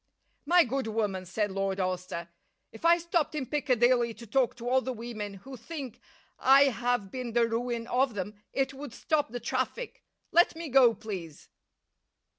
"My good woman," said Lord Alcester. "If I stopped in Piccadilly to talk to all the women who think I have been the ruin of them, it would stop the traffic. Let me go, please."